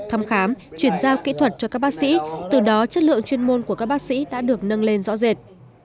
thăm khám chuyển giao kỹ thuật cho các bác sĩ từ đó chất lượng chuyên môn của các bác sĩ đã được nâng lên rõ rệt